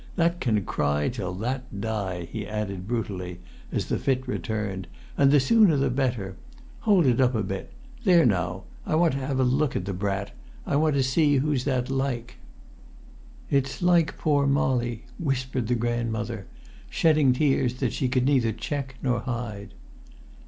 "That can cry till that die," he added brutally, as the fit returned; "and the sooner the better. Hold it up a bit. There, now! I want to have a look at the brat. I want to see who that's like!" "It's like poor Molly," whimpered the grandmother, shedding tears that she could neither check nor hide.